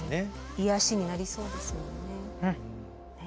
癒やしになりそうですもんね。